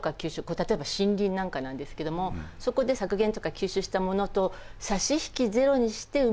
例えば森林なんかなんですけどもそこで削減とか吸収したものと差し引きゼロにして埋め合わせる